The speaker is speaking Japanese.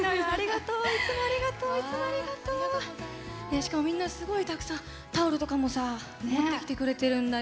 しかもみんなすごいたくさんタオルとかもさ持ってきてくれてるんだよ。